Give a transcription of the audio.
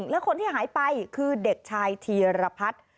แล้วคนที่หายไปคือเด็กชายธีรพัฒน์